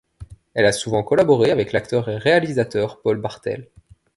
Elle a souvent collaboré avec l'acteur et réalisateur Paul Bartel.